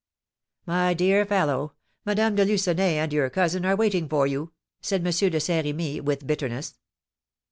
"My dear fellow, Madame de Lucenay and your cousin are waiting for you," said M. de Saint Remy, with bitterness.